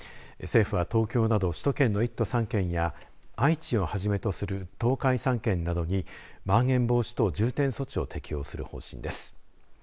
政府は、東京など首都圏の１都３県や愛知をはじめとする東海３県などにまん延防止等重点措置を適用する方針です。